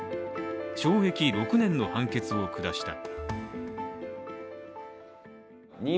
懲役６年の判決を下した。